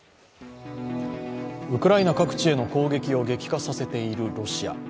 ウクライナ各地への攻撃を激化させているロシア。